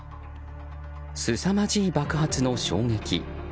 すさまじい爆発の衝撃。